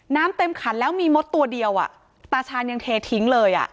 น้ำเต็มขันแล้วมีมดตัวเดียวอ่ะตาชาญยังเททิ้งเลยอ่ะ